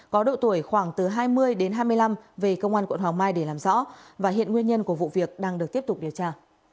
có độ tuổi khoảng từ hai mươi đến hai mươi năm về công an quận hoàng mai để làm rõ và hiện nguyên nhân của vụ việc đang được tiếp tục điều tra